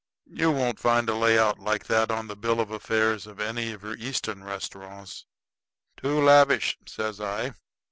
You won't find a layout like that on the bill of affairs of any of your Eastern restauraws." "Too lavish," says I.